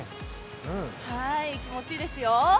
気持ちいいですよ。